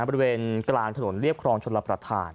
บริเวณกลางถนนเรียบครองชนรับประทาน